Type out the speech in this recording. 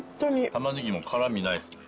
玉ねぎの辛みないですね